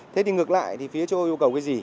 thế thì ngược lại thì phía châu âu yêu cầu cái gì